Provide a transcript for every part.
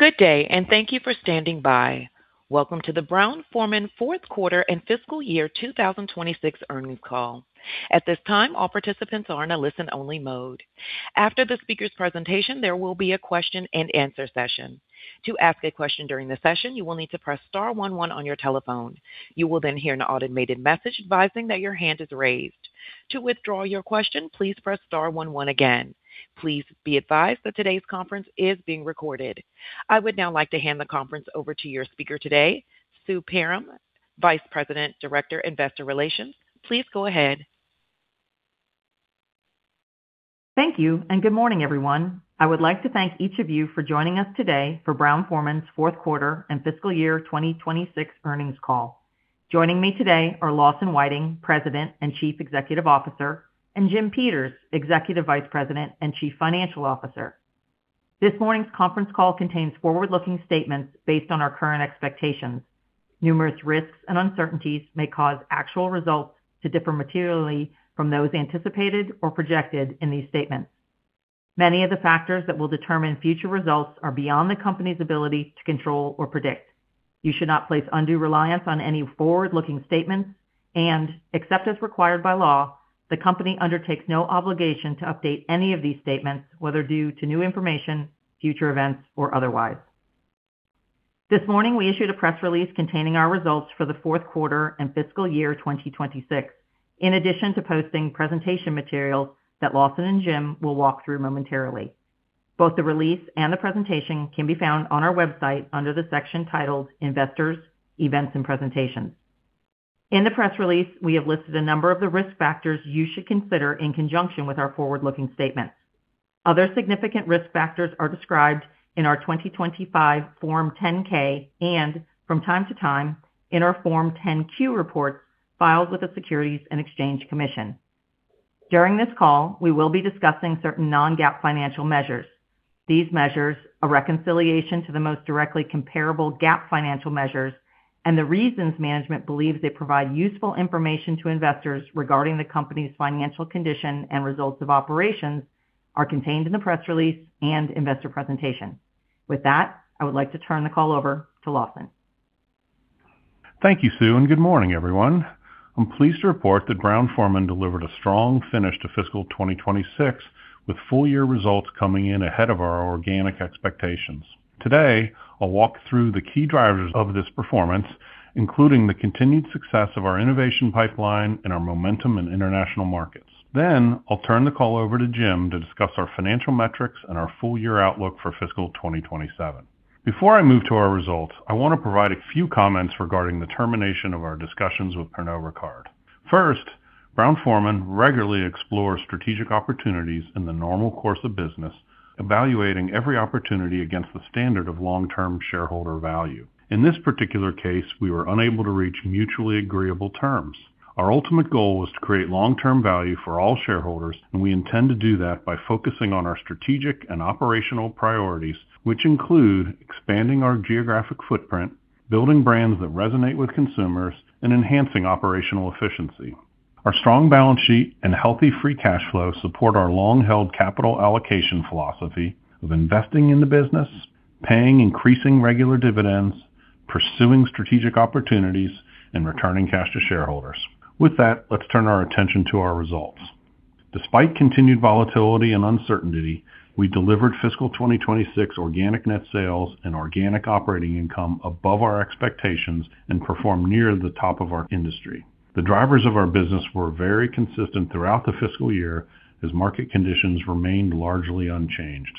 Good day, and thank you for standing by. Welcome to the Brown-Forman Q4 and fiscal year 2026 earnings call. At this time, all participants are in a listen-only mode. After the speaker's presentation, there will be a question-and-answer session. To ask a question during the session, you will need to press star one one on your telephone. You will then hear an automated message advising that your hand is raised. To withdraw your question, please press star one one again. Please be advised that today's conference is being recorded. I would now like to hand the conference over to your speaker today, Sue Perram, Vice President, Director, Investor Relations. Please go ahead. Thank you. Good morning, everyone. I would like to thank each of you for joining us today for Brown-Forman's Q4 and fiscal year 2026 earnings call. Joining me today are Lawson Whiting, President and Chief Executive Officer, and Jim Peters, Executive Vice President and Chief Financial Officer. This morning's conference call contains forward-looking statements based on our current expectations. Numerous risks and uncertainties may cause actual results to differ materially from those anticipated or projected in these statements. Many of the factors that will determine future results are beyond the company's ability to control or predict. You should not place undue reliance on any forward-looking statements. Except as required by law, the company undertakes no obligation to update any of these statements, whether due to new information, future events, or otherwise. This morning, we issued a press release containing our results for the Q4 and fiscal year 2026. In addition to posting presentation materials that Lawson and Jim will walk through momentarily. Both the release and the presentation can be found on our website under the section titled Investors, Events, and Presentations. In the press release, we have listed a number of the risk factors you should consider in conjunction with our forward-looking statements. Other significant risk factors are described in our 2025 Form 10-K and, from time to time, in our Form 10-Q reports filed with the Securities and Exchange Commission. During this call, we will be discussing certain non-GAAP financial measures. These measures, a reconciliation to the most directly comparable GAAP financial measures, and the reasons management believes they provide useful information to investors regarding the company's financial condition and results of operations, are contained in the press release and investor presentation. With that, I would like to turn the call over to Lawson. Thank you, Sue Perram, and good morning, everyone. I'm pleased to report that Brown-Forman delivered a strong finish to fiscal 2026, with full-year results coming in ahead of our organic expectations. Today, I'll walk through the key drivers of this performance, including the continued success of our innovation pipeline and our momentum in international markets. I'll turn the call over to Jim to discuss our financial metrics and our full-year outlook for fiscal 2027. Before I move to our results, I want to provide a few comments regarding the termination of our discussions with Pernod Ricard. First, Brown-Forman regularly explores strategic opportunities in the normal course of business, evaluating every opportunity against the standard of long-term shareholder value. In this particular case, we were unable to reach mutually agreeable terms. Our ultimate goal was to create long-term value for all shareholders. We intend to do that by focusing on our strategic and operational priorities, which include expanding our geographic footprint, building brands that resonate with consumers, and enhancing operational efficiency. Our strong balance sheet and healthy free cash flow support our long-held capital allocation philosophy of investing in the business, paying increasing regular dividends, pursuing strategic opportunities, and returning cash to shareholders. With that, let's turn our attention to our results. Despite continued volatility and uncertainty, we delivered fiscal 2026 organic net sales and organic operating income above our expectations and performed near the top of our industry. The drivers of our business were very consistent throughout the fiscal year as market conditions remained largely unchanged.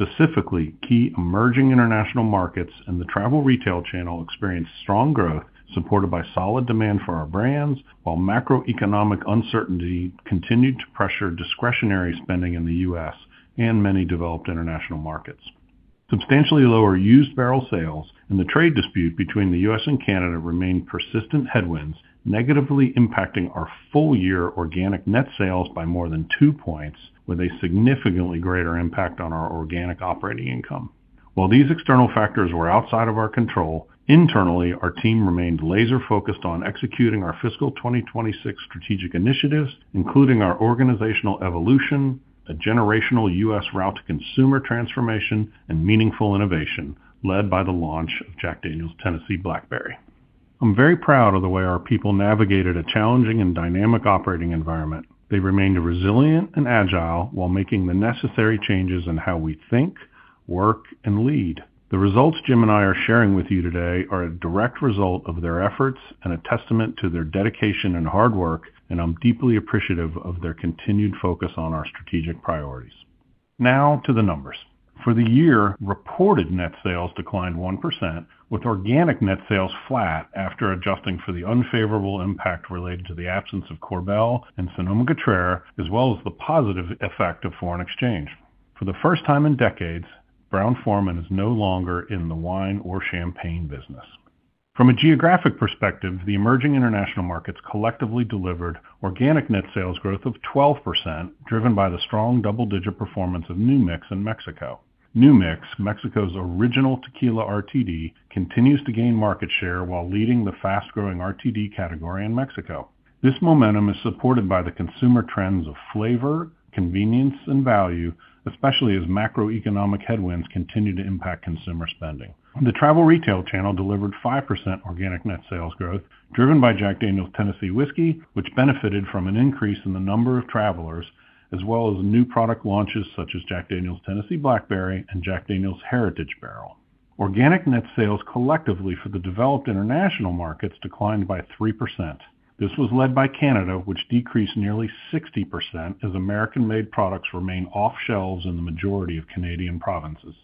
Specifically, key emerging international markets and the travel retail channel experienced strong growth supported by solid demand for our brands, while macroeconomic uncertainty continued to pressure discretionary spending in the U.S. and many developed international markets. Substantially lower used barrel sales and the trade dispute between the U.S. and Canada remained persistent headwinds, negatively impacting our full-year organic net sales by more than two points, with a significantly greater impact on our organic operating income. While these external factors were outside of our control, internally, our team remained laser-focused on executing our fiscal 2026 strategic initiatives, including our organizational evolution, a generational U.S. route to consumer transformation, and meaningful innovation led by the launch of Jack Daniel's Tennessee Blackberry. I'm very proud of the way our people navigated a challenging and dynamic operating environment. They remained resilient and agile while making the necessary changes in how we think, work, and lead. The results Jim Peters and I are sharing with you today are a direct result of their efforts and a testament to their dedication and hard work. I'm deeply appreciative of their continued focus on our strategic priorities. Now to the numbers. For the year, reported net sales declined 1%, with organic net sales flat after adjusting for the unfavorable impact related to the absence of Korbel and Sonoma-Cutrer, as well as the positive effect of foreign exchange. For the first time in decades, Brown-Forman is no longer in the wine or champagne business. From a geographic perspective, the emerging international markets collectively delivered organic net sales growth of 12%, driven by the strong double-digit performance of New Mix in Mexico. New Mix, Mexico's original tequila RTD, continues to gain market share while leading the fast-growing RTD category in Mexico. This momentum is supported by the consumer trends of flavor, convenience, and value, especially as macroeconomic headwinds continue to impact consumer spending. The travel retail channel delivered 5% organic net sales growth, driven by Jack Daniel's Tennessee Whiskey, which benefited from an increase in the number of travelers, as well as new product launches such as Jack Daniel's Tennessee Blackberry and Jack Daniel's Heritage Barrel. Organic net sales collectively for the developed international markets declined by 3%. This was led by Canada, which decreased nearly 60% as American-made products remain off shelves in the majority of Canadian provinces.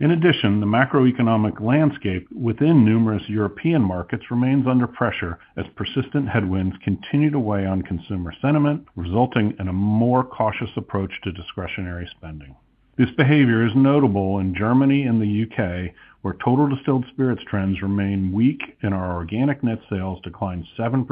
In addition, the macroeconomic landscape within numerous European markets remains under pressure as persistent headwinds continue to weigh on consumer sentiment, resulting in a more cautious approach to discretionary spending. This behavior is notable in Germany and the U.K., where total distilled spirits trends remain weak and our organic net sales declined 7%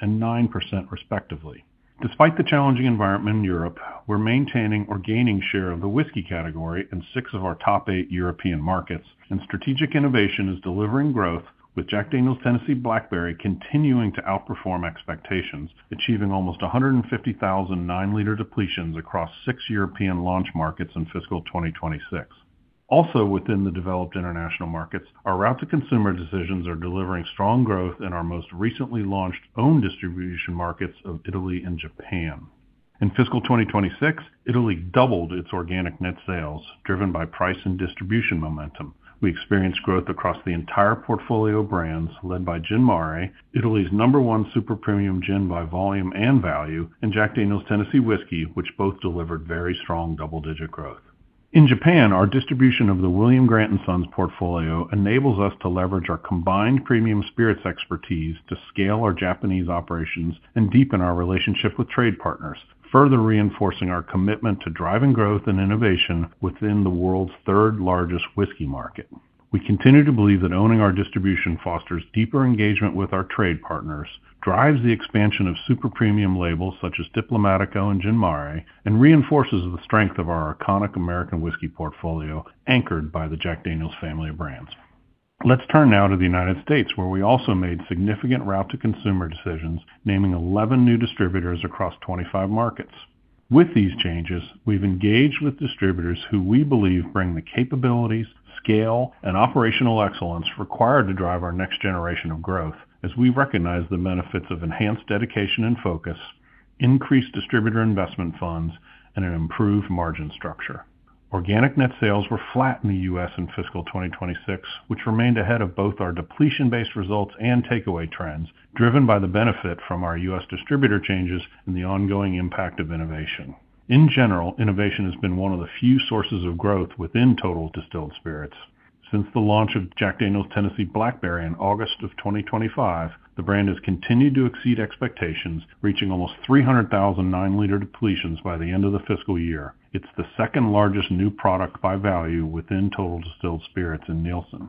and 9% respectively. Despite the challenging environment in Europe, we're maintaining or gaining share of the whiskey category in 6 of our top 8 European markets, strategic innovation is delivering growth with Jack Daniel's Tennessee Blackberry continuing to outperform expectations, achieving almost 150,000 nine-liter depletions across six European launch markets in fiscal 2026. Within the developed international markets, our route to consumer decisions are delivering strong growth in our most recently launched own distribution markets of Italy and Japan. In fiscal 2026, Italy doubled its organic net sales, driven by price and distribution momentum. We experienced growth across the entire portfolio brands led by Gin Mare, Italy's number one super-premium gin by volume and value, and Jack Daniel's Tennessee Whiskey, which both delivered very strong double-digit growth. In Japan, our distribution of the William Grant & Sons portfolio enables us to leverage our combined premium spirits expertise to scale our Japanese operations and deepen our relationship with trade partners, further reinforcing our commitment to driving growth and innovation within the world's third-largest whiskey market. We continue to believe that owning our distribution fosters deeper engagement with our trade partners, drives the expansion of super-premium labels such as Diplomático and Gin Mare, and reinforces the strength of our iconic American whiskey portfolio, anchored by the Jack Daniel's family of brands. Let's turn now to the United States, where we also made significant route to consumer decisions, naming 11 new distributors across 25 markets. With these changes, we've engaged with distributors who we believe bring the capabilities, scale, and operational excellence required to drive our next generation of growth as we recognize the benefits of enhanced dedication and focus, increased distributor investment funds, and an improved margin structure. Organic net sales were flat in the U.S. in fiscal 2026, which remained ahead of both our depletion-based results and takeaway trends, driven by the benefit from our U.S. distributor changes and the ongoing impact of innovation. In general, innovation has been one of the few sources of growth within total distilled spirits. Since the launch of Jack Daniel's Tennessee Blackberry in August of 2025, the brand has continued to exceed expectations, reaching almost 300,000 nine-liter depletions by the end of the fiscal year. It's the second-largest new product by value within total distilled spirits in Nielsen.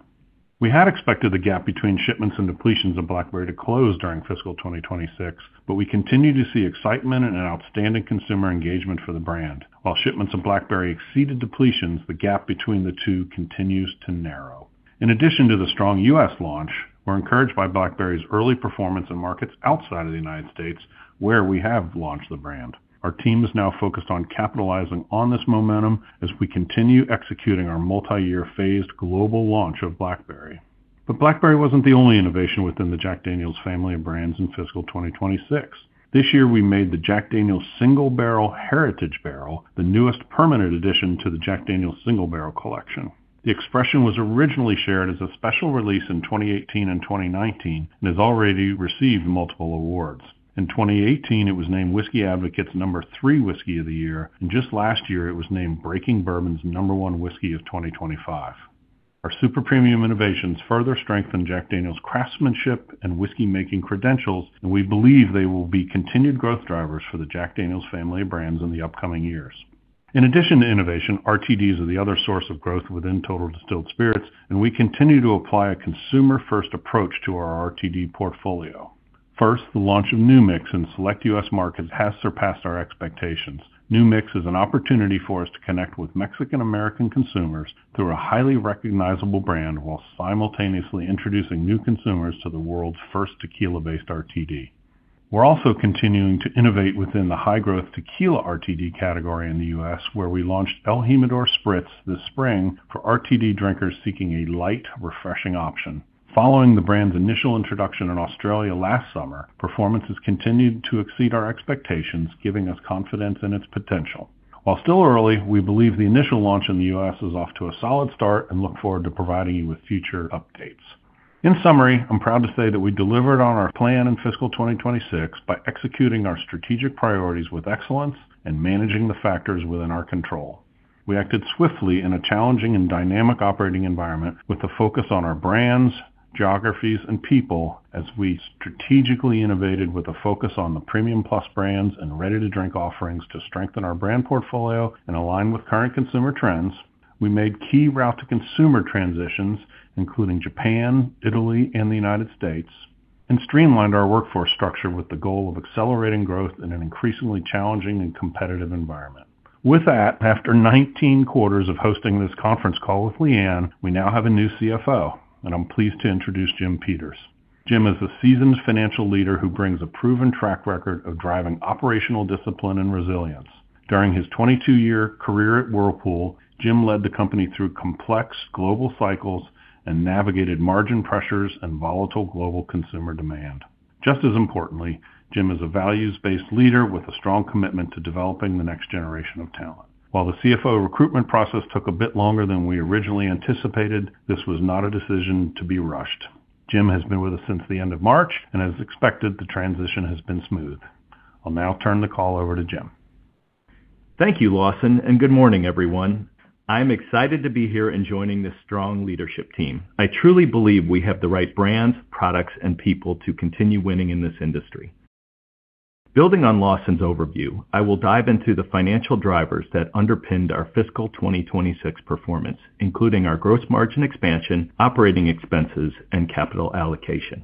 We had expected the gap between shipments and depletions of Blackberry to close during fiscal 2026, but we continue to see excitement and outstanding consumer engagement for the brand. While shipments of Blackberry exceeded depletions, the gap between the two continues to narrow. In addition to the strong U.S. launch, we're encouraged by Blackberry's early performance in markets outside of the United States where we have launched the brand. Our team is now focused on capitalizing on this momentum as we continue executing our multiyear phased global launch of Blackberry. Blackberry wasn't the only innovation within the Jack Daniel's family of brands in fiscal 2026. This year, we made the Jack Daniel's Single Barrel Heritage Barrel the newest permanent addition to the Jack Daniel's Single Barrel collection. The expression was originally shared as a special release in 2018 and 2019 and has already received multiple awards. In 2018, it was named Whisky Advocate's number 3 whiskey of the year, and just last year, it was named Breaking Bourbon's number 1 whiskey of 2025. Our super-premium innovations further strengthen Jack Daniel's craftsmanship and whiskey-making credentials, we believe they will be continued growth drivers for the Jack Daniel's family of brands in the upcoming years. In addition to innovation, RTDs are the other source of growth within total distilled spirits, we continue to apply a consumer-first approach to our RTD portfolio. First, the launch of New Mix in select U.S. markets has surpassed our expectations. New Mix is an opportunity for us to connect with Mexican American consumers through a highly recognizable brand while simultaneously introducing new consumers to the world's first tequila-based RTD. We're also continuing to innovate within the high-growth tequila RTD category in the U.S., where we launched el Jimador Spritz this spring for RTD drinkers seeking a light, refreshing option. Following the brand's initial introduction in Australia last summer, performance has continued to exceed our expectations, giving us confidence in its potential. While still early, we believe the initial launch in the U.S. is off to a solid start and look forward to providing you with future updates. In summary, I'm proud to say that we delivered on our plan in fiscal 2026 by executing our strategic priorities with excellence and managing the factors within our control. We acted swiftly in a challenging and dynamic operating environment with a focus on our brands, geographies, and people as we strategically innovated with a focus on the premium plus brands and ready-to-drink offerings to strengthen our brand portfolio and align with current consumer trends. We made key route-to-consumer transitions, including Japan, Italy, and the United States, and streamlined our workforce structure with the goal of accelerating growth in an increasingly challenging and competitive environment. With that, after 19 quarters of hosting this conference call with Leanne, we now have a new CFO, and I'm pleased to introduce Jim Peters. Jim is a seasoned financial leader who brings a proven track record of driving operational discipline and resilience. During his 22-year career at Whirlpool, Jim led the company through complex global cycles and navigated margin pressures and volatile global consumer demand. Just as importantly, Jim is a values-based leader with a strong commitment to developing the next generation of talent. While the CFO recruitment process took a bit longer than we originally anticipated, this was not a decision to be rushed. Jim has been with us since the end of March, and as expected, the transition has been smooth. I'll now turn the call over to Jim. Thank you, Lawson, and good morning, everyone. I'm excited to be here and joining this strong leadership team. I truly believe we have the right brands, products, and people to continue winning in this industry. Building on Lawson's overview, I will dive into the financial drivers that underpinned our fiscal 2026 performance, including our gross margin expansion, operating expenses, and capital allocation.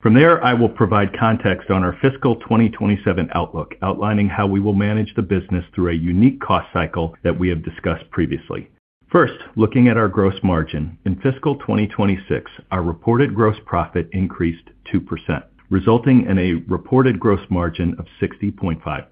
From there, I will provide context on our fiscal 2027 outlook, outlining how we will manage the business through a unique cost cycle that we have discussed previously. First, looking at our gross margin. In fiscal 2026, our reported gross profit increased 2%, resulting in a reported gross margin of 60.5%.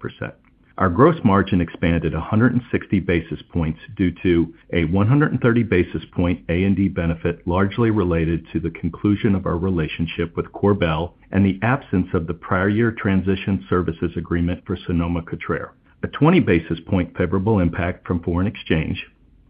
Our gross margin expanded 160 basis points due to a 130 basis point A&P benefit, largely related to the conclusion of our relationship with Korbel and the absence of the prior year transition services agreement for Sonoma-Cutrer. A 20 basis point favorable impact from foreign exchange,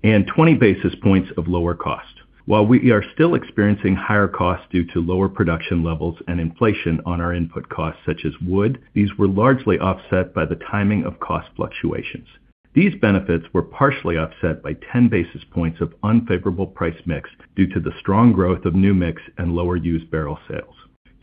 and 20 basis points of lower cost. While we are still experiencing higher costs due to lower production levels and inflation on our input costs, such as wood, these were largely offset by the timing of cost fluctuations. These benefits were partially offset by 10 basis points of unfavorable price mix due to the strong growth of New Mix and lower used barrel sales.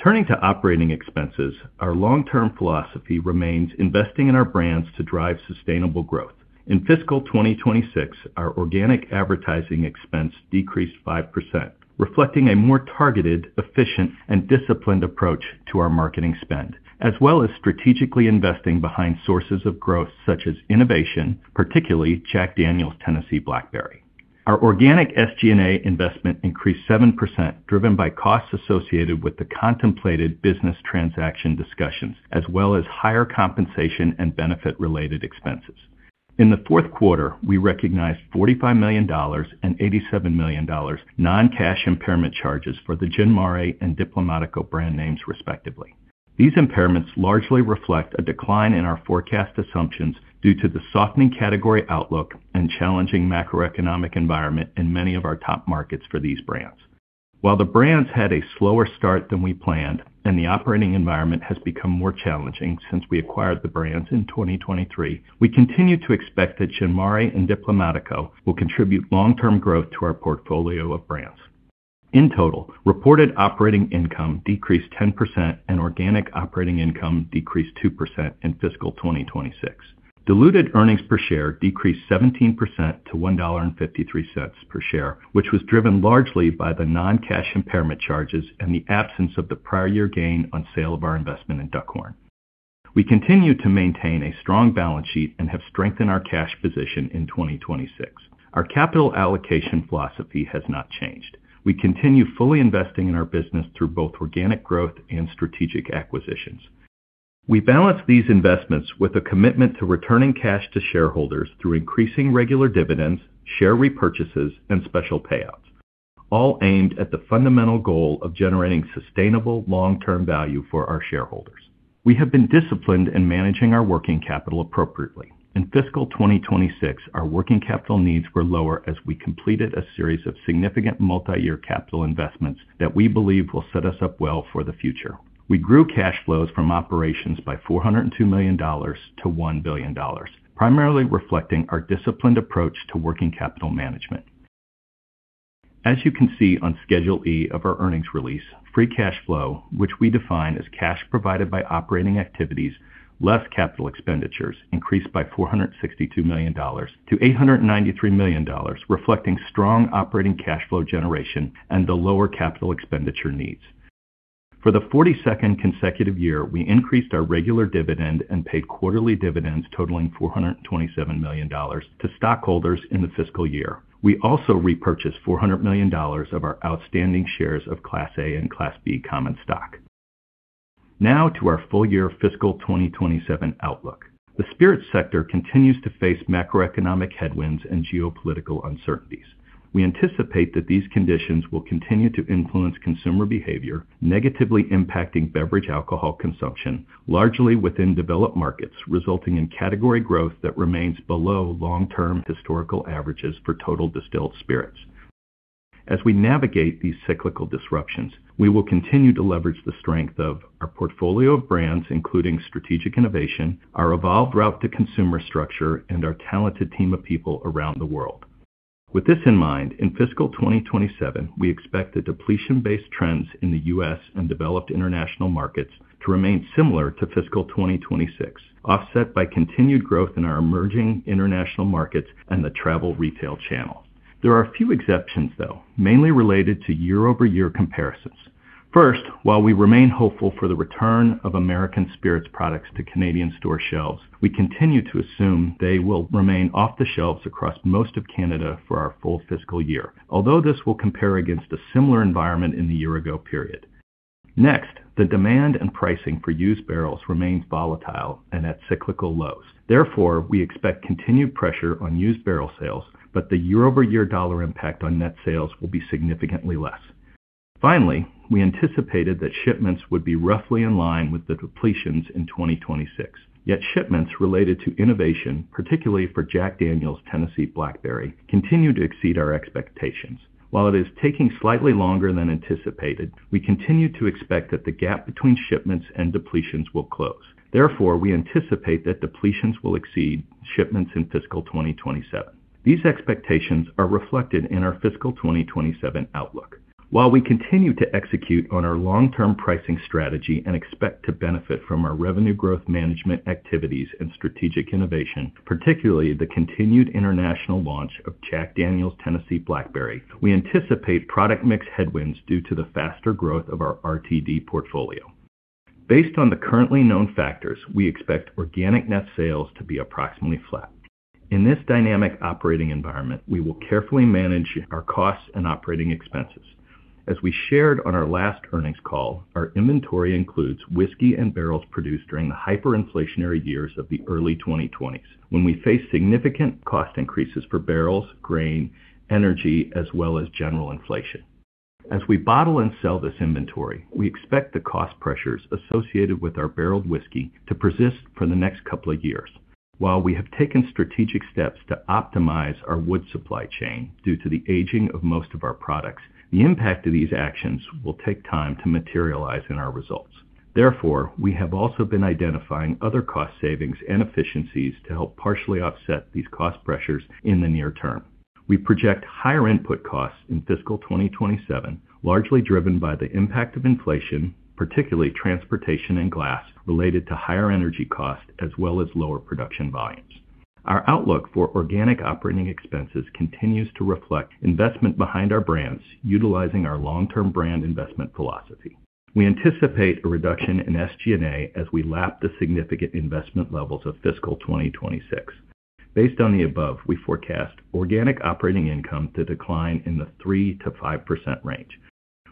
Turning to operating expenses, our long-term philosophy remains investing in our brands to drive sustainable growth. In fiscal 2026, our organic advertising expense decreased 5%, reflecting a more targeted, efficient, and disciplined approach to our marketing spend, as well as strategically investing behind sources of growth such as innovation, particularly Jack Daniel's Tennessee Blackberry. Our organic SG&A investment increased 7%, driven by costs associated with the contemplated business transaction discussions, as well as higher compensation and benefit-related expenses. In the Q4, we recognized $45 million and $87 million non-cash impairment charges for the Gin Mare and Diplomático brand names, respectively. These impairments largely reflect a decline in our forecast assumptions due to the softening category outlook and challenging macroeconomic environment in many of our top markets for these brands. While the brands had a slower start than we planned and the operating environment has become more challenging since we acquired the brands in 2023, we continue to expect that Gin Mare and Diplomático will contribute long-term growth to our portfolio of brands. In total, reported operating income decreased 10% and organic operating income decreased 2% in fiscal 2026. Diluted earnings per share decreased 17% to $1.53 per share, which was driven largely by the non-cash impairment charges and the absence of the prior year gain on sale of our investment in Duckhorn. We continue to maintain a strong balance sheet and have strengthened our cash position in 2026. Our capital allocation philosophy has not changed. We continue fully investing in our business through both organic growth and strategic acquisitions. We balance these investments with a commitment to returning cash to shareholders through increasing regular dividends, share repurchases, and special payouts, all aimed at the fundamental goal of generating sustainable long-term value for our shareholders. We have been disciplined in managing our working capital appropriately. In fiscal 2026, our working capital needs were lower as we completed a series of significant multi-year capital investments that we believe will set us up well for the future. We grew cash flows from operations by $402 million to $1 billion, primarily reflecting our disciplined approach to working capital management. As you can see on Schedule E of our earnings release, free cash flow, which we define as cash provided by operating activities, less capital expenditures, increased by $462 million to $893 million, reflecting strong operating cash flow generation and the lower capital expenditure needs. For the 42nd consecutive year, we increased our regular dividend and paid quarterly dividends totaling $427 million to stockholders in the fiscal year. We also repurchased $400 million of our outstanding shares of Class A and Class B common stock. To our full-year fiscal 2027 outlook. The spirit sector continues to face macroeconomic headwinds and geopolitical uncertainties. We anticipate that these conditions will continue to influence consumer behavior, negatively impacting beverage alcohol consumption, largely within developed markets, resulting in category growth that remains below long-term historical averages for total distilled spirits. As we navigate these cyclical disruptions, we will continue to leverage the strength of our portfolio of brands, including strategic innovation, our evolved route to consumer structure, and our talented team of people around the world. With this in mind, in fiscal 2027, we expect the depletion-based trends in the U.S. and developed international markets to remain similar to fiscal 2026, offset by continued growth in our emerging international markets and the travel retail channel. There are a few exceptions though, mainly related to year-over-year comparisons. First, while we remain hopeful for the return of American Spirits products to Canadian store shelves, we continue to assume they will remain off the shelves across most of Canada for our full fiscal year. This will compare against a similar environment in the year-ago period. Next, the demand and pricing for used barrels remains volatile and at cyclical lows. We expect continued pressure on used barrel sales, but the year-over-year dollar impact on net sales will be significantly less. We anticipated that shipments would be roughly in line with the depletions in 2026. Shipments related to innovation, particularly for Jack Daniel's Tennessee Blackberry, continue to exceed our expectations. While it is taking slightly longer than anticipated, we continue to expect that the gap between shipments and depletions will close. We anticipate that depletions will exceed shipments in fiscal 2027. These expectations are reflected in our fiscal 2027 outlook. While we continue to execute on our long-term pricing strategy and expect to benefit from our revenue growth management activities and strategic innovation, particularly the continued international launch of Jack Daniel's Tennessee Blackberry, we anticipate product mix headwinds due to the faster growth of our RTD portfolio. Based on the currently known factors, we expect organic net sales to be approximately flat. In this dynamic operating environment, we will carefully manage our costs and operating expenses. As we shared on our last earnings call, our inventory includes whiskey and barrels produced during the hyperinflationary years of the early 2020s, when we faced significant cost increases for barrels, grain, energy, as well as general inflation. As we bottle and sell this inventory, we expect the cost pressures associated with our barreled whiskey to persist for the next couple of years. While we have taken strategic steps to optimize our wood supply chain due to the aging of most of our products, the impact of these actions will take time to materialize in our results. Therefore, we have also been identifying other cost savings and efficiencies to help partially offset these cost pressures in the near term. We project higher input costs in fiscal 2027, largely driven by the impact of inflation, particularly transportation and glass related to higher energy cost, as well as lower production volumes. Our outlook for organic operating expenses continues to reflect investment behind our brands utilizing our long-term brand investment philosophy. We anticipate a reduction in SG&A as we lap the significant investment levels of fiscal 2026. Based on the above, we forecast organic operating income to decline in the 3%-5% range.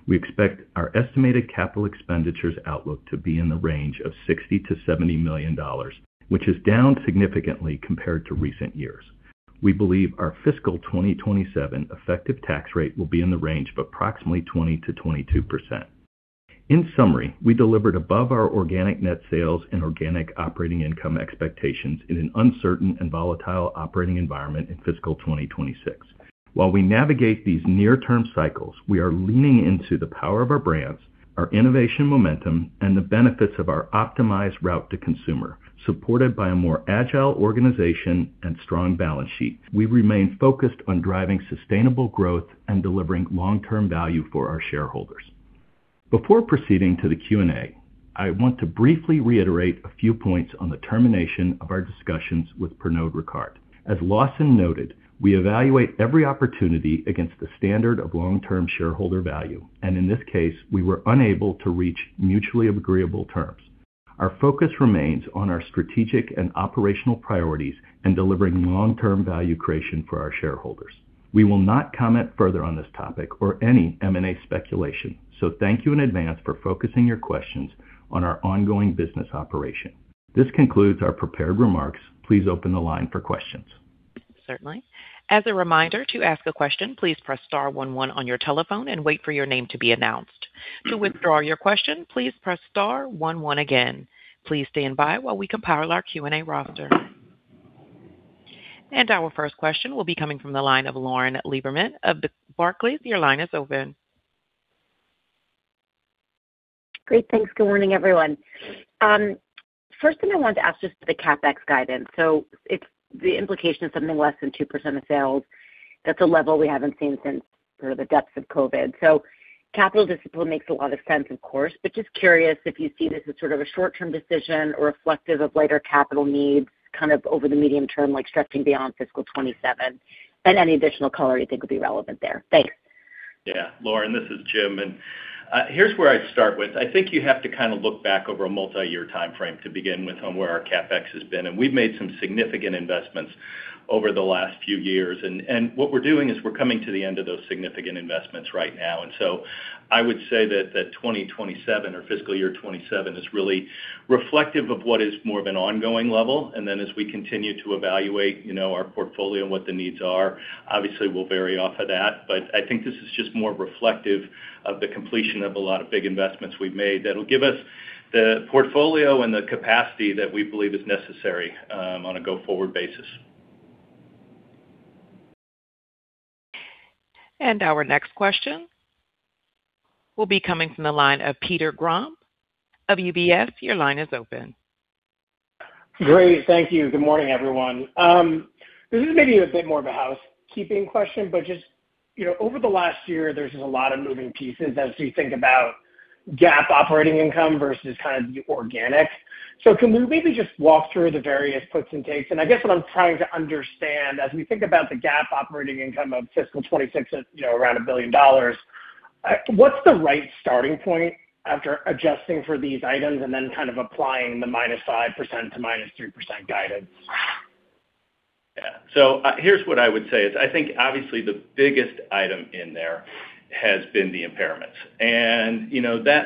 We expect our estimated capital expenditures outlook to be in the range of $60 million-$70 million, which is down significantly compared to recent years. We believe our fiscal 2027 effective tax rate will be in the range of approximately 20%-22%. In summary, we delivered above our organic net sales and organic operating income expectations in an uncertain and volatile operating environment in fiscal 2026. While we navigate these near-term cycles, we are leaning into the power of our brands, our innovation momentum, and the benefits of our optimized route to consumer, supported by a more agile organization and strong balance sheet. We remain focused on driving sustainable growth and delivering long-term value for our shareholders. Before proceeding to the Q&A, I want to briefly reiterate a few points on the termination of our discussions with Pernod Ricard. As Lawson noted, we evaluate every opportunity against the standard of long-term shareholder value, and in this case, we were unable to reach mutually agreeable terms. Our focus remains on our strategic and operational priorities and delivering long-term value creation for our shareholders. We will not comment further on this topic or any M&A speculation. Thank you in advance for focusing your questions on our ongoing business operation. This concludes our prepared remarks. Please open the line for questions. Certainly. As a reminder, to ask a question, please press star one one on your telephone and wait for your name to be announced. To withdraw your question, please press star one one again. Please stand by while we compile our Q&A roster. Our first question will be coming from the line of Lauren Lieberman of Barclays. Your line is open. Great. Thanks. Good morning, everyone. First thing I wanted to ask is the CapEx guidance. If the implication is something less than 2% of sales, that's a level we haven't seen since sort of the depths of COVID. Capital discipline makes a lot of sense, of course, but just curious if you see this as sort of a short-term decision or reflective of later capital needs, kind of over the medium term, like stretching beyond fiscal 2027, and any additional color you think would be relevant there. Thanks. Yeah. Lauren, this is Jim Peters. Here's where I'd start with. I think you have to kind of look back over a multi-year timeframe to begin with on where our CapEx has been. We've made some significant investments over the last few years. What we're doing is we're coming to the end of those significant investments right now. I would say that 2027 or fiscal year 2027 is really reflective of what is more of an ongoing level. As we continue to evaluate our portfolio and what the needs are, obviously we'll vary off of that. I think this is just more reflective of the completion of a lot of big investments we've made that'll give us the portfolio and the capacity that we believe is necessary on a go-forward basis. Our next question will be coming from the line of Peter Grom of UBS. Your line is open. Great. Thank you. Good morning, everyone. This is maybe a bit more of a housekeeping question. Just over the last year, there's just a lot of moving pieces as you think about GAAP operating income versus kind of the organic. Can we maybe just walk through the various puts and takes? I guess what I'm trying to understand, as we think about the GAAP operating income of FY 2026 at around $1 billion, what's the right starting point after adjusting for these items and then kind of applying the -5% to -3% guidance? Yeah. Here's what I would say is I think obviously the biggest item in there has been the impairments.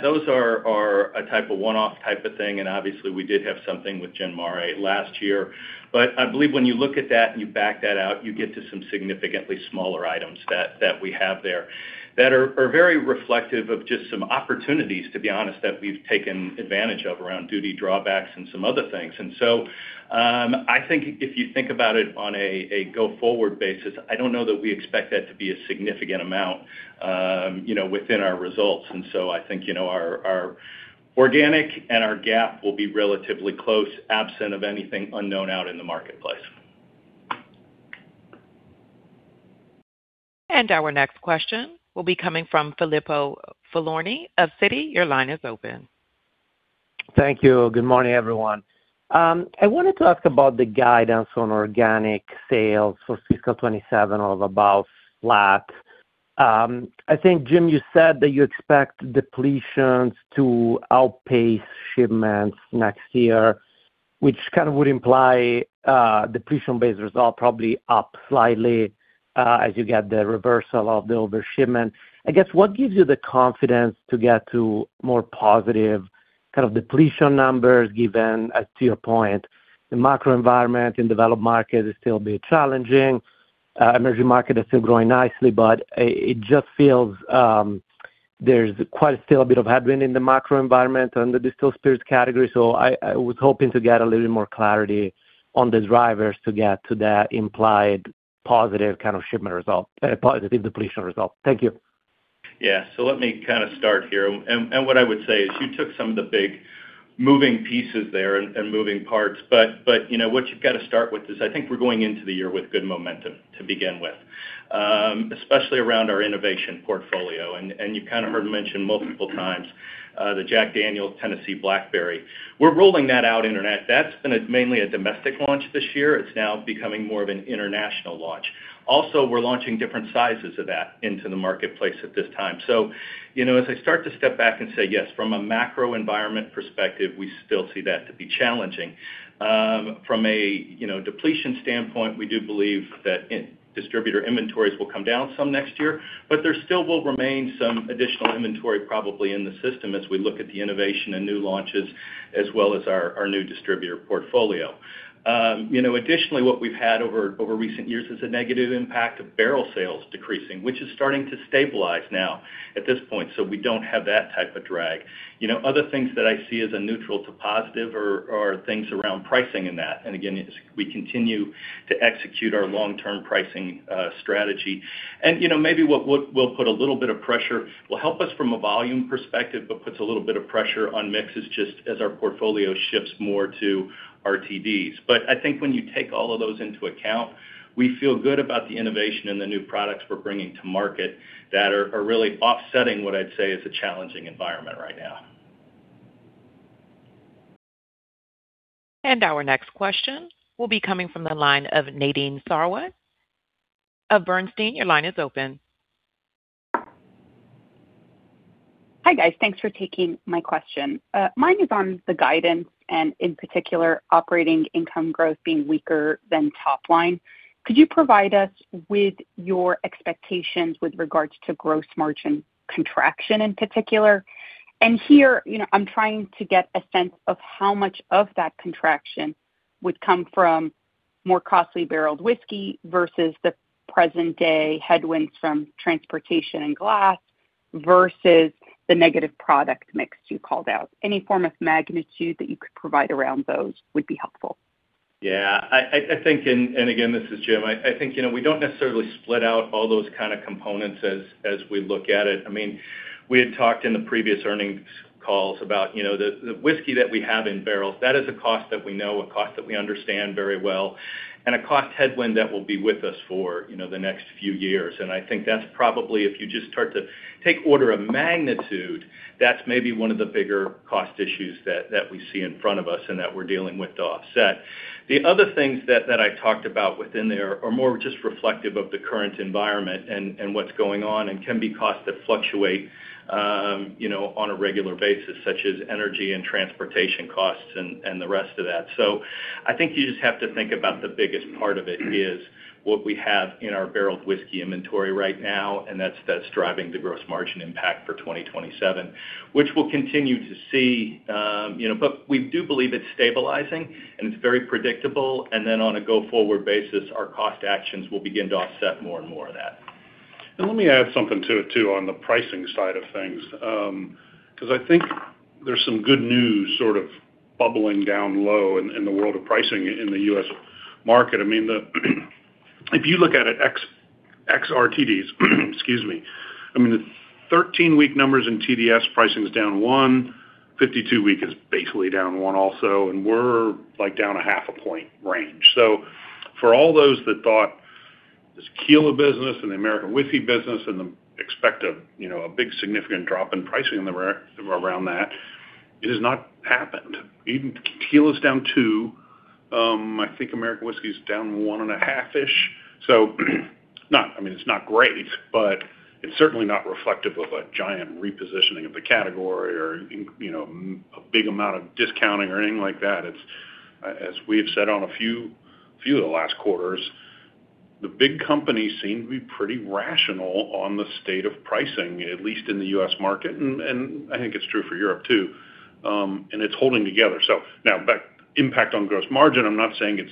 Those are a type of one-off type of thing, and obviously we did have something with Gin Mare last year. I believe when you look at that and you back that out, you get to some significantly smaller items that we have there that are very reflective of just some opportunities, to be honest, that we've taken advantage of around duty drawbacks and some other things. I think if you think about it on a go-forward basis, I don't know that we expect that to be a significant amount within our results. I think, our organic and our GAAP will be relatively close, absent of anything unknown out in the marketplace. Our next question will be coming from Filippo Falorni of Citi. Your line is open. Thank you. Good morning, everyone. I wanted to ask about the guidance on organic sales for fiscal 2027 of about flat. I think, Jim, you said that you expect depletions to outpace shipments next year, which kind of would imply depletion-based results are probably up slightly, as you get the reversal of the over-shipment. I guess, what gives you the confidence to get to more positive kind of depletion numbers given, as to your point, the macro environment in developed markets is still a bit challenging. Emerging market is still growing nicely, it just feels, there's quite still a bit of headwind in the macro environment and the distilled spirits category. I was hoping to get a little more clarity on the drivers to get to that implied positive kind of shipment result, positive depletion result. Thank you. Yeah. Let me kind of start here, and what I would say is you took some of the big moving pieces there and moving parts. What you've got to start with is, I think we're going into the year with good momentum to begin with. Especially around our innovation portfolio. You kind of heard mentioned multiple times, the Jack Daniel's Tennessee Blackberry. We're rolling that out. That's been mainly a domestic launch this year. It's now becoming more of an international launch. Also, we're launching different sizes of that into the marketplace at this time. As I start to step back and say, yes, from a macro environment perspective, we still see that to be challenging. From a depletion standpoint, we do believe that distributor inventories will come down some next year. There still will remain some additional inventory probably in the system as we look at the innovation and new launches, as well as our new distributor portfolio. Additionally, what we've had over recent years is a negative impact of barrel sales decreasing, which is starting to stabilize now at this point. We don't have that type of drag. Other things that I see as a neutral to positive are things around pricing and that. Again, as we continue to execute our long-term pricing strategy. Maybe what will put a little bit of pressure, will help us from a volume perspective, but puts a little bit of pressure on mix is just as our portfolio shifts more to RTDs. I think when you take all of those into account, we feel good about the innovation and the new products we're bringing to market that are really offsetting what I'd say is a challenging environment right now. Our next question will be coming from the line of Nadine Sarwat of Bernstein. Your line is open. Hi, guys. Thanks for taking my question. Mine is on the guidance and in particular, operating income growth being weaker than top line. Could you provide us with your expectations with regards to gross margin contraction in particular? Here, I'm trying to get a sense of how much of that contraction would come from more costly barreled whiskey versus the present day headwinds from transportation and glass versus the negative product mix you called out. Any form of magnitude that you could provide around those would be helpful. Yeah. Again, this is Jim. I think, we don't necessarily split out all those kind of components as we look at it. We had talked in the previous earnings calls about the whiskey that we have in barrels. That is a cost that we know, a cost that we understand very well, and a cost headwind that will be with us for the next few years. I think that's probably, if you just start to take order of magnitude, that's maybe one of the bigger cost issues that we see in front of us and that we're dealing with to offset. The other things that I talked about within there are more just reflective of the current environment and what's going on and can be costs that fluctuate on a regular basis, such as energy and transportation costs and the rest of that. I think you just have to think about the biggest part of it is what we have in our barreled whiskey inventory right now, and that's driving the gross margin impact for 2027, which we'll continue to see. We do believe it's stabilizing, and it's very predictable. On a go-forward basis, our cost actions will begin to offset more and more of that. Let me add something to it, too, on the pricing side of things. I think there's some good news sort of bubbling down low in the world of pricing in the U.S. market. If you look at it ex RTDs, excuse me, the 13-week numbers in TDS pricing is down one, 52-week is basically down one also, and we're like down a half a point range. For all those that thought this tequila business and the American whiskey business, expect a big, significant drop in pricing around that. It has not happened. Even tequila's down two. I think American whiskey is down 1.5-ish. It's not great, but it's certainly not reflective of a giant repositioning of the category or a big amount of discounting or anything like that. As we have said on a few of the last quarters, the big companies seem to be pretty rational on the state of pricing, at least in the U.S. market. I think it's true for Europe, too. It's holding together. Now, impact on gross margin, I'm not saying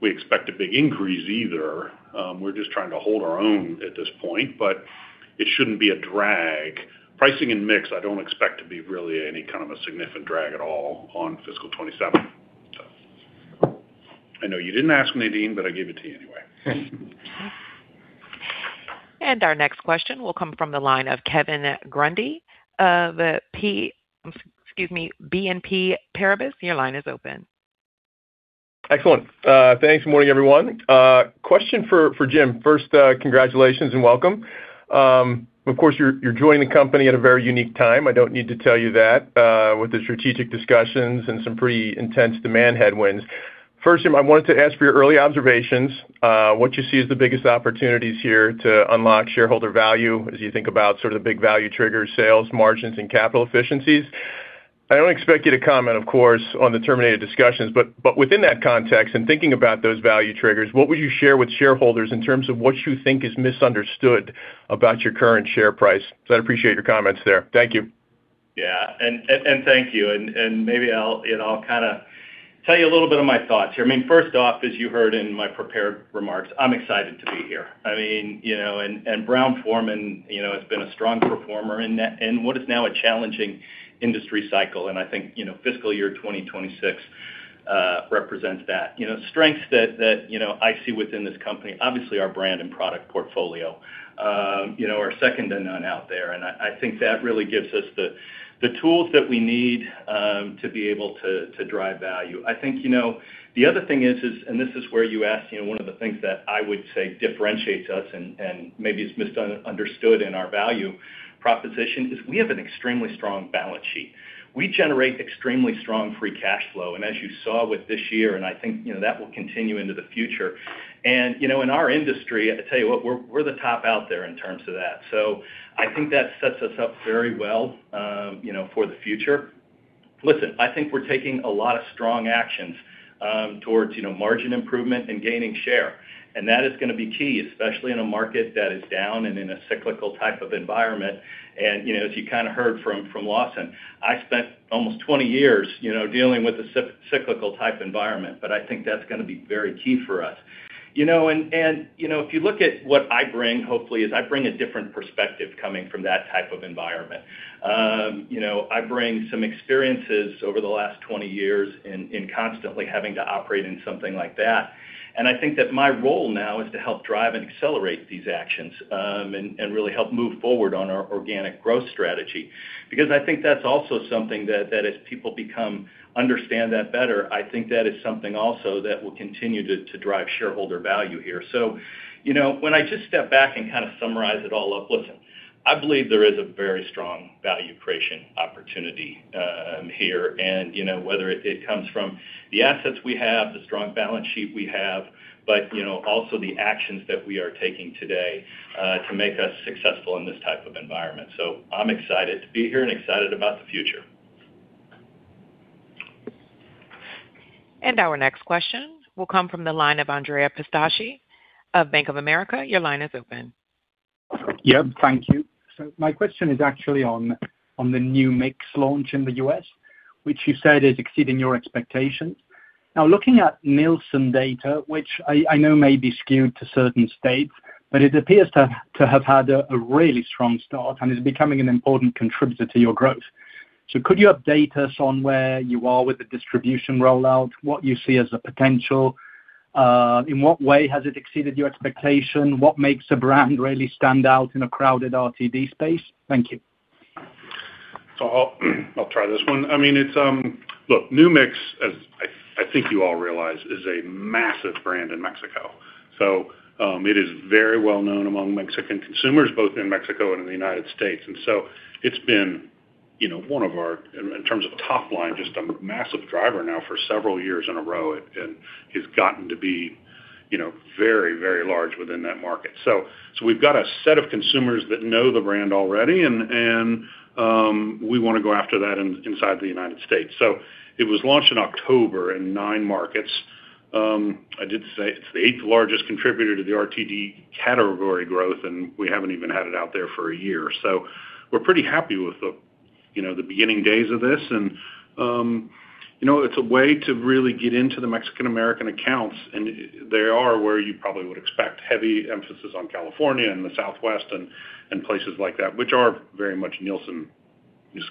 we expect a big increase either. We're just trying to hold our own at this point. It shouldn't be a drag. Pricing and mix, I don't expect to be really any kind of a significant drag at all on fiscal 2027. I know you didn't ask, Nadine. I gave it to you anyway. Our next question will come from the line of Kevin Grundy of BNP Paribas. Your line is open. Excellent. Thanks, morning, everyone. Question for Jim. First, congratulations and welcome. Of course, you're joining the company at a very unique time, I don't need to tell you that, with the strategic discussions and some pretty intense demand headwinds. First, Jim, I wanted to ask for your early observations. What you see as the biggest opportunities here to unlock shareholder value as you think about the big value triggers, sales, margins, and capital efficiencies? I don't expect you to comment, of course, on the terminated discussions, but within that context and thinking about those value triggers, what would you share with shareholders in terms of what you think is misunderstood about your current share price? I'd appreciate your comments there. Thank you. Yeah, thank you. Maybe I'll tell you a little bit of my thoughts here. First off, as you heard in my prepared remarks, I'm excited to be here. Brown-Forman has been a strong performer in what is now a challenging industry cycle, and I think fiscal year 2026 represents that. Strengths that I see within this company, obviously, our brand and product portfolio are second to none out there. I think that really gives us the tools that we need to be able to drive value. I think the other thing is, and this is where you ask one of the things that I would say differentiates us, and maybe it's misunderstood in our value proposition, is we have an extremely strong balance sheet. We generate extremely strong free cash flow. As you saw with this year, I think that will continue into the future. In our industry, I tell you what, we're the top out there in terms of that. I think that sets us up very well for the future. Listen, I think we're taking a lot of strong actions towards margin improvement and gaining share. That is gonna be key, especially in a market that is down and in a cyclical type of environment. As you heard from Lawson, I spent almost 20 years dealing with a cyclical type environment, but I think that's gonna be very key for us. If you look at what I bring, hopefully, is I bring a different perspective coming from that type of environment. I bring some experiences over the last 20 years in constantly having to operate in something like that. I think that my role now is to help drive and accelerate these actions, and really help move forward on our organic growth strategy. I think that's also something that as people understand that better, I think that is something also that will continue to drive shareholder value here. When I just step back and kind of summarize it all up, listen, I believe there is a very strong value creation opportunity here. Whether it comes from the assets we have, the strong balance sheet we have, but also the actions that we are taking today to make us successful in this type of environment. I'm excited to be here and excited about the future. Our next question will come from the line of Andrea Pistacchi of Bank of America. Your line is open Yep, thank you. My question is actually on the New Mix launch in the U.S., which you said is exceeding your expectations. Looking at Nielsen data, which I know may be skewed to certain states, but it appears to have had a really strong start, and is becoming an important contributor to your growth. Could you update us on where you are with the distribution rollout, what you see as the potential? In what way has it exceeded your expectation? What makes a brand really stand out in a crowded RTD space? Thank you. I'll try this one. Look, New Mix, as I think you all realize, is a massive brand in Mexico. It is very well known among Mexican consumers, both in Mexico and in the U.S. It's been, in terms of top line, just a massive driver now for several years in a row. It's gotten to be very large within that market. We've got a set of consumers that know the brand already, and we want to go after that inside the U.S. It was launched in October in nine markets. I did say it's the eighth largest contributor to the RTD category growth, and we haven't even had it out there for a year. We're pretty happy with the beginning days of this. It's a way to really get into the Mexican American accounts, and they are where you probably would expect heavy emphasis on California and the Southwest and places like that, which are very much Nielsen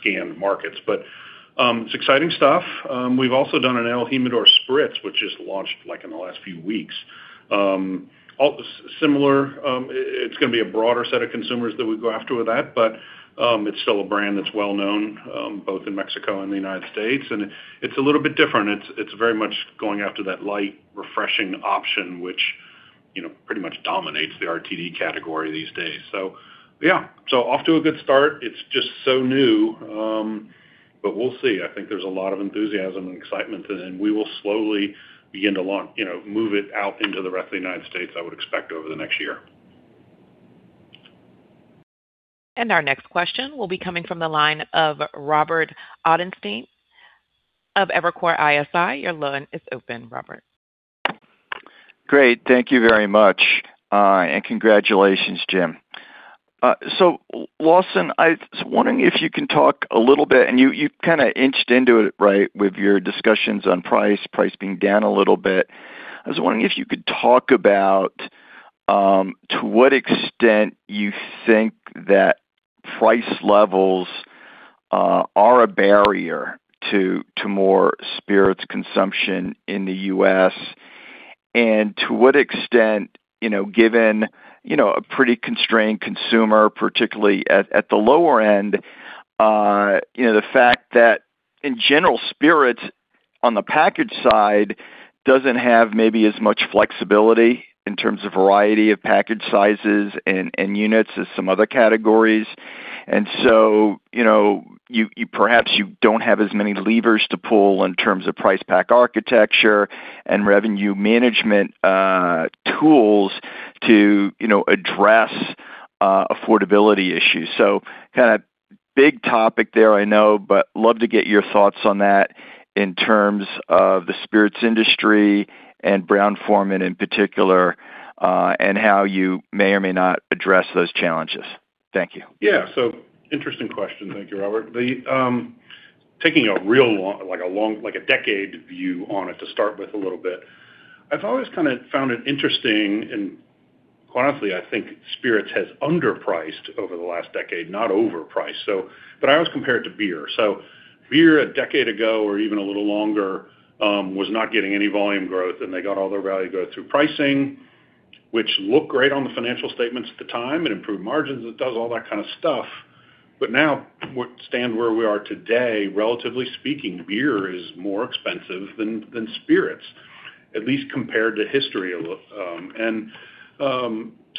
scanned markets. It's exciting stuff. We've also done an el Jimador Spritz, which just launched in the last few weeks. Similar, it's gonna be a broader set of consumers that we go after with that, but it's still a brand that's well known both in Mexico and the United States. It's a little bit different. It's very much going after that light, refreshing option, which pretty much dominates the RTD category these days. Yeah, off to a good start. It's just so new, but we'll see. I think there's a lot of enthusiasm and excitement, and we will slowly begin to move it out into the rest of the United States, I would expect, over the next year. Our next question will be coming from the line of Robert Ottenstein of Evercore ISI. Your line is open, Robert. Great. Thank you very much, congratulations, Jim Peters. Lawson, I was wondering if you can talk a little bit, and you kind of inched into it, with your discussions on price being down a little bit. I was wondering if you could talk about to what extent you think that price levels are a barrier to more spirits consumption in the U.S., and to what extent, given a pretty constrained consumer, particularly at the lower end, the fact that in general, spirits on the package side doesn't have maybe as much flexibility in terms of variety of package sizes and units as some other categories. Perhaps you don't have as many levers to pull in terms of price pack architecture and revenue management tools to address affordability issues. Big topic there, I know, but love to get your thoughts on that in terms of the spirits industry and Brown-Forman in particular, and how you may or may not address those challenges. Thank you. Yeah. Interesting question. Thank you, Robert. Taking a real long, like a decade view on it to start with a little bit. I've always kind of found it interesting, quite honestly, I think spirits has underpriced over the last decade, not overpriced. I always compare it to beer. Beer, a decade ago or even a little longer, was not getting any volume growth, and they got all their value growth through pricing, which looked great on the financial statements at the time. It improved margins. It does all that kind of stuff. Now, stand where we are today, relatively speaking, beer is more expensive than spirits, at least compared to history a little.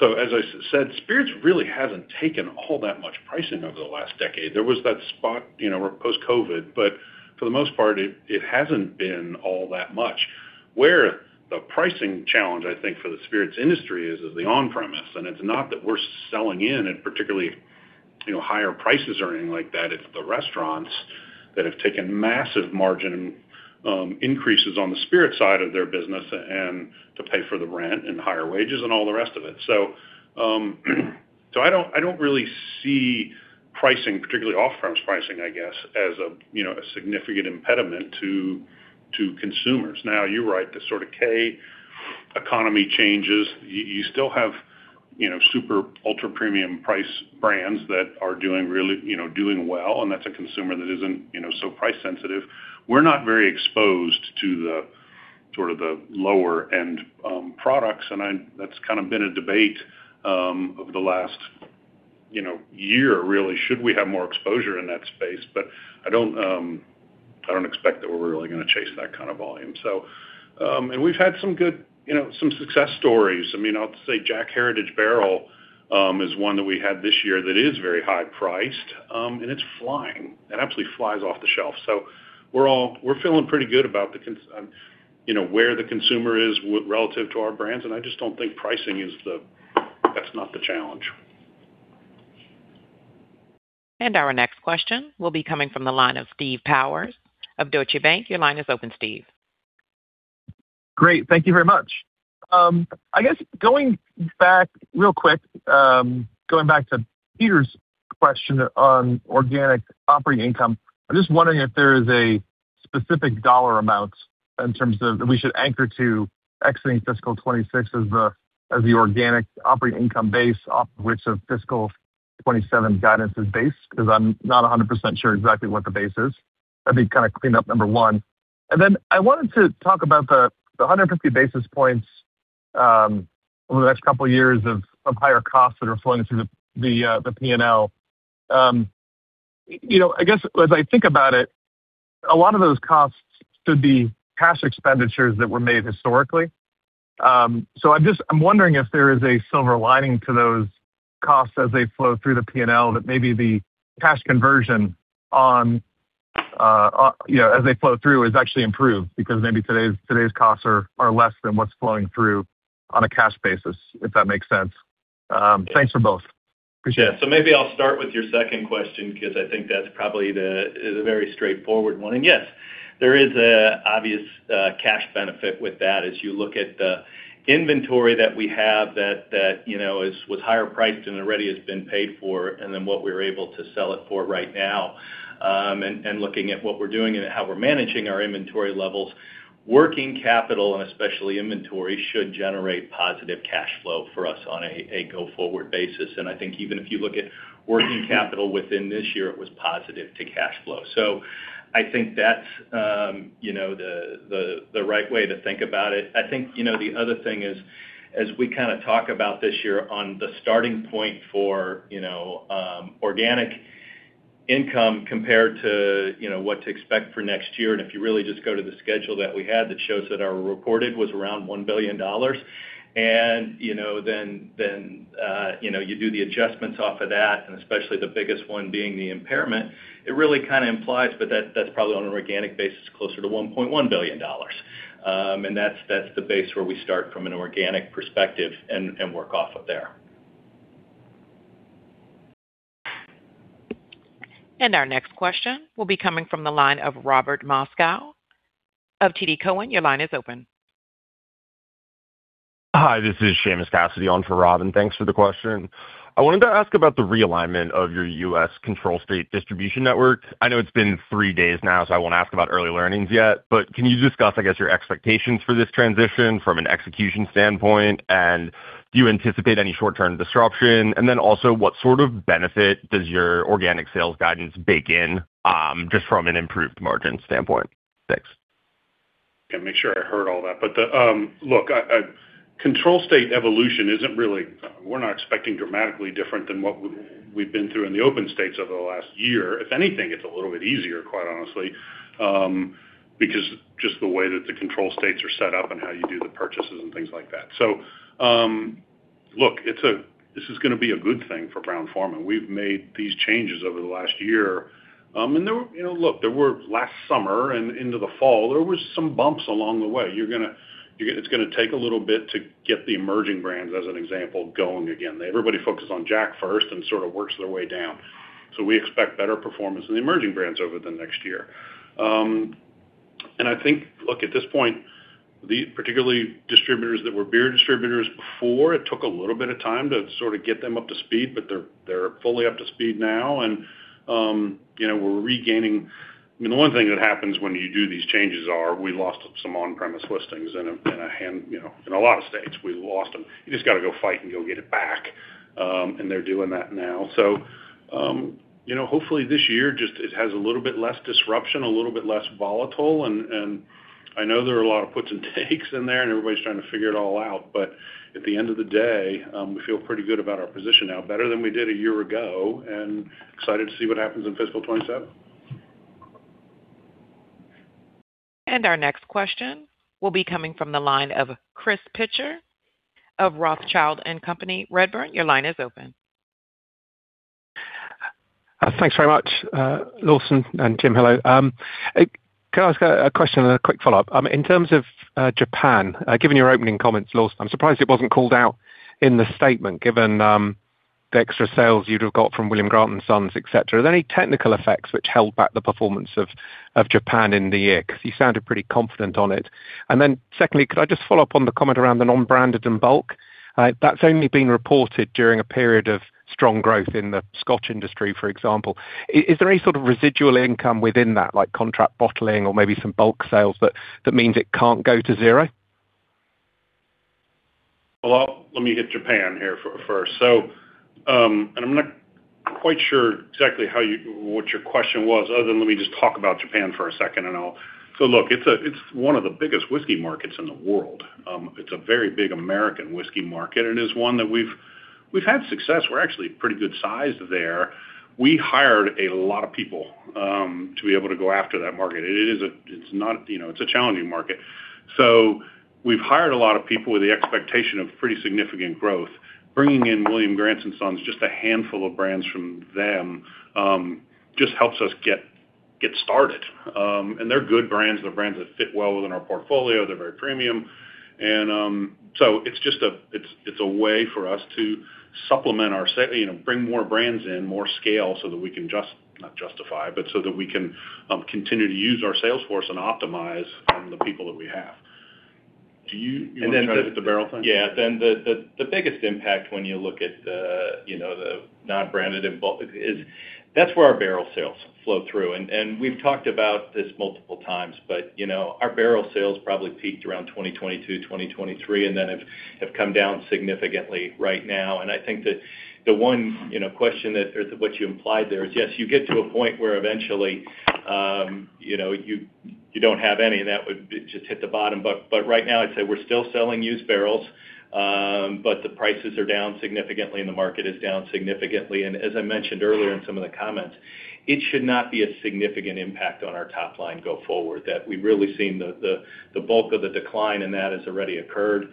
As I said, spirits really haven't taken all that much pricing over the last decade. There was that spot, post-COVID, but for the most part, it hasn't been all that much. Where the pricing challenge, I think, for the spirits industry is the on-premise, and it's not that we're selling in at particularly higher prices or anything like that. It's the restaurants that have taken massive margin increases on the spirit side of their business to pay for the rent and higher wages and all the rest of it. I don't really see pricing, particularly off-premise pricing, I guess, as a significant impediment to consumers. Now, you're right, the sort of K economy changes. You still have super ultra-premium price brands that are doing well, and that's a consumer that isn't so price sensitive. We're not very exposed to the lower end products, and that's kind of been a debate over the last year, really. Should we have more exposure in that space? I don't expect that we're really going to chase that kind of volume. We've had some success stories. I'll say Jack Daniel's Heritage Barrel is one that we had this year that is very high priced, and it's flying. It absolutely flies off the shelf. We're feeling pretty good about where the consumer is relative to our brands, and I just don't think pricing is the challenge. Our next question will be coming from the line of Steve Powers of Deutsche Bank. Your line is open, Steve. Great. Thank you very much. I guess, going back real quick, going back to Peter's question on organic operating income. I'm just wondering if there is a specific dollar amount in terms of, that we should anchor to exiting fiscal 2026 as the organic operating income base off of which the fiscal 2027 guidance is based, because I'm not 100% sure exactly what the base is. That'd be kind of cleanup number one. I wanted to talk about the 150 basis points over the next couple of years of higher costs that are flowing through the P&L. I guess, as I think about it, a lot of those costs could be cash expenditures that were made historically. I'm wondering if there is a silver lining to those costs as they flow through the P&L that maybe the cash conversion as they flow through, is actually improved because maybe today's costs are less than what's flowing through on a cash basis, if that makes sense. Thanks for both. Appreciate it. Maybe I'll start with your second question because I think that's probably the very straightforward one. Yes, there is an obvious cash benefit with that as you look at the inventory that we have that was higher priced and already has been paid for, and then what we were able to sell it for right now. Looking at what we're doing and how we're managing our inventory levels, working capital, and especially inventory, should generate positive cash flow for us on a go-forward basis. I think even if you look at working capital within this year, it was positive to cash flow. I think that's the right way to think about it. I think the other thing is, as we kind of talk about this year on the starting point for organic income compared to what to expect for next year. If you really just go to the schedule that we had that shows that our reported was around $1 billion. Then you do the adjustments off of that, and especially the biggest one being the impairment, it really kind of implies, but that's probably on an organic basis closer to $1.1 billion. That's the base where we start from an organic perspective and work off of there. Our next question will be coming from the line of Robert Moskow of TD Cowen. Your line is open. Hi, this is Seamus Cassidy on for Rob. Thanks for the question. I wanted to ask about the realignment of your U.S. control state distribution network. I know it's been three days now. I won't ask about early learnings yet. Can you discuss, I guess, your expectations for this transition from an execution standpoint? Do you anticipate any short-term disruption? What sort of benefit does your organic sales guidance bake in, just from an improved margin standpoint? Thanks. Let me make sure I heard all that. Look, control state evolution, we're not expecting dramatically different than what we've been through in the open states over the last year. If anything, it's a little bit easier, quite honestly, because just the way that the control states are set up and how you do the purchases and things like that. Look, this is going to be a good thing for Brown-Forman. We've made these changes over the last year. Look, last summer and into the fall, there were some bumps along the way. It's going to take a little bit to get the emerging brands, as an example, going again. Everybody focuses on Jack first and sort of works their way down. We expect better performance in the emerging brands over the next year. I think, look, at this point, particularly distributors that were beer distributors before, it took a little bit of time to sort of get them up to speed, but they're fully up to speed now. We're regaining I mean, the one thing that happens when you do these changes are, we lost some on-premise listings in a lot of states, we lost them. You just got to go fight and go get it back. They're doing that now. Hopefully this year, it has a little bit less disruption, a little bit less volatile, and I know there are a lot of puts and takes in there, and everybody's trying to figure it all out. At the end of the day, we feel pretty good about our position now, better than we did a year ago, and excited to see what happens in fiscal 2027. Our next question will be coming from the line of Chris Pitcher of Rothschild & Co, Redburn. Your line is open. Thanks very much. Lawson and Jim, hello. Can I ask a question and a quick follow-up? In terms of Japan, given your opening comments, Lawson, I'm surprised it wasn't called out in the statement, given the extra sales you'd have got from William Grant & Sons, et cetera. Are there any technical effects which held back the performance of Japan in the year? Because you sounded pretty confident on it. Secondly, could I just follow up on the comment around the non-branded and bulk? That's only been reported during a period of strong growth in the Scotch industry, for example. Is there any sort of residual income within that, like contract bottling or maybe some bulk sales, that means it can't go to zero? Well, let me hit Japan here first. I'm not quite sure exactly what your question was, other than let me just talk about Japan for a second. Look, it's one of the biggest whiskey markets in the world. It's a very big American whiskey market, and it is one that we've had success. We're actually a pretty good size there. We hired a lot of people, to be able to go after that market. It's a challenging market. We've hired a lot of people with the expectation of pretty significant growth. Bringing in William Grant & Sons, just a handful of brands from them, just helps us get started. They're good brands. They're brands that fit well within our portfolio. They're very premium. It's a way for us to supplement our, bring more brands in, more scale, so that we can not justify, but so that we can continue to use our sales force and optimize on the people that we have. Do you want to try to hit the barrel thing? Yeah. The biggest impact when you look at the non-branded and bulk, is that's where our barrel sales flow through. We've talked about this multiple times, but our barrel sales probably peaked around 2022, 2023, and then have come down significantly right now. I think that the one question that, or what you implied there is, yes, you get to a point where eventually, you don't have any and that would just hit the bottom. Right now, I'd say we're still selling used barrels, but the prices are down significantly, and the market is down significantly. As I mentioned earlier in some of the comments, it should not be a significant impact on our top line go forward, that we've really seen the bulk of the decline, and that has already occurred.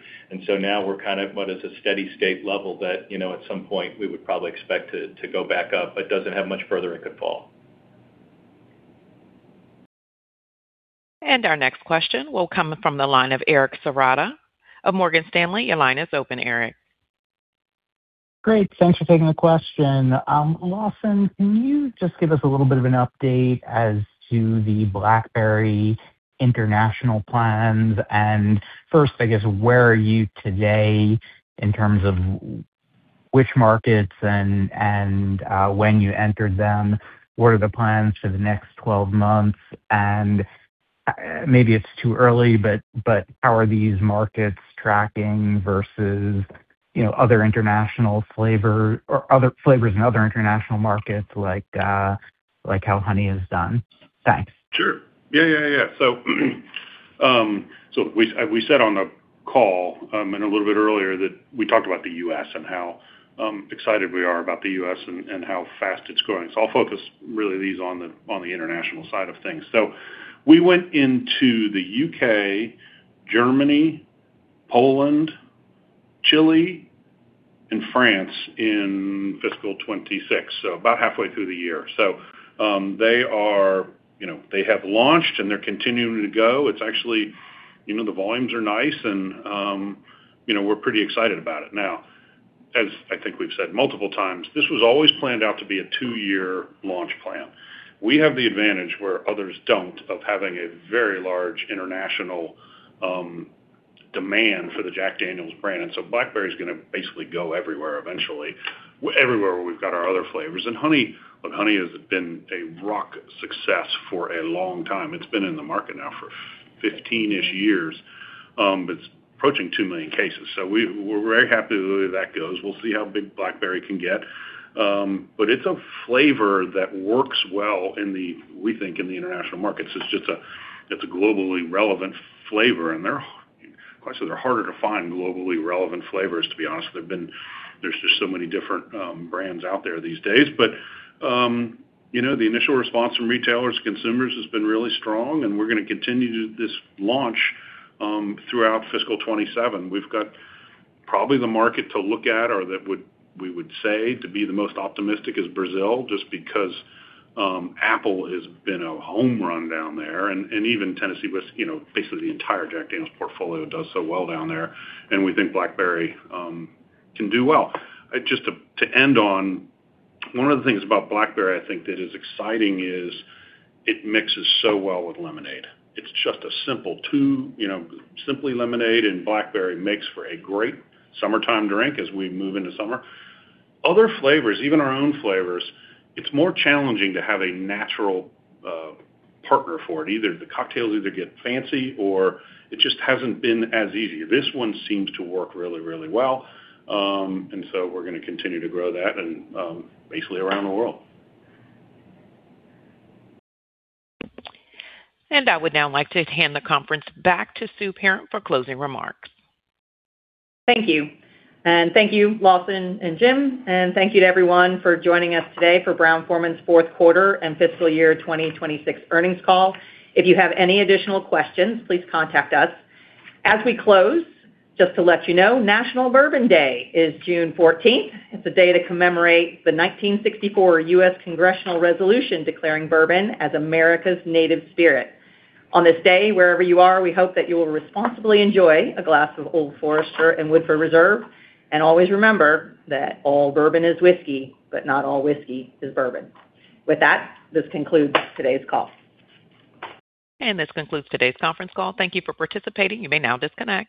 Now we're kind of what is a steady state level that, at some point we would probably expect to go back up, but doesn't have much further it could fall. Our next question will come from the line of Eric Serotta of Morgan Stanley. Your line is open, Eric. Great. Thanks for taking the question. Lawson, can you just give us a little bit of an update as to the Jack Daniel's Tennessee Blackberry international plans? First, I guess, where are you today in terms of which markets and when you entered them? What are the plans for the next 12 months? Maybe it's too early, but how are these markets tracking versus other flavors in other international markets, like how Jack Daniel's Tennessee Honey has done? Thanks. We said on the call, and a little bit earlier that we talked about the U.S. and how excited we are about the U.S. and how fast it's growing. I'll focus really these on the international side of things. We went into the U.K., Germany, Poland, Chile, and France in FY 2026, so about halfway through the year. They have launched, and they're continuing to go. The volumes are nice, and we're pretty excited about it. Now, as I think we've said multiple times, this was always planned out to be a two-year launch plan. We have the advantage where others don't, of having a very large international demand for the Jack Daniel's brand. Blackberry is going to basically go everywhere eventually. Everywhere where we've got our other flavors. Honey, look, Honey has been a rock success for a long time. It's been in the market now for 15-ish years. It's approaching 2 million cases. We're very happy the way that goes. We'll see how big Blackberry can get. It's a flavor that works well, we think, in the international markets. It's a globally relevant flavor, and they're harder to find globally relevant flavors, to be honest. There's just so many different brands out there these days. The initial response from retailers, consumers has been really strong, and we're going to continue this launch throughout fiscal 2027. We've got probably the market to look at or that we would say to be the most optimistic is Brazil, just because Apple has been a home run down there, and even Tennessee Whiskey, basically the entire Jack Daniel's portfolio does so well down there, and we think Blackberry can do well. Just to end on, one of the things about Blackberry I think that is exciting is it mixes so well with lemonade. It's just a simple two, simply lemonade and Blackberry makes for a great summertime drink as we move into summer. Other flavors, even our own flavors, it's more challenging to have a natural partner for it. Either the cocktails either get fancy or it just hasn't been as easy. This one seems to work really well. We're going to continue to grow that and basically around the world. I would now like to hand the conference back to Sue Perram for closing remarks. Thank you. Thank you, Lawson and Jim Peters, and thank you to everyone for joining us today for Brown-Forman's Q4 and fiscal year 2026 earnings call. If you have any additional questions, please contact us. As we close, just to let you know, National Bourbon Day is June 14th. It's a day to commemorate the 1964 U.S. Congressional Resolution declaring bourbon as America's native spirit. On this day, wherever you are, we hope that you will responsibly enjoy a glass of Old Forester and Woodford Reserve, and always remember that all bourbon is whiskey, but not all whiskey is bourbon. With that, this concludes today's call. This concludes today's conference call. Thank you for participating. You may now disconnect.